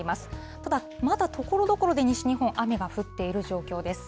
ただ、まだところどころで西日本、雨が降っている状況です。